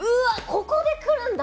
ここでくるんだ！